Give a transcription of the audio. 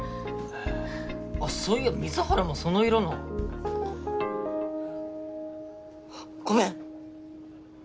へぇあっそういや水原もその色のごめん！